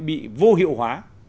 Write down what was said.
bị vô hiệu hóa